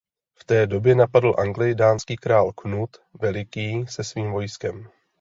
V té době napadl Anglii dánský král Knut Veliký se svým vojskem.